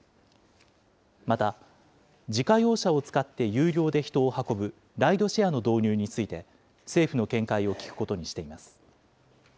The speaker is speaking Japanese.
また、自家用車を使って有料で人を運ぶライドシェアの導入について政府の見解を聞くことにしています。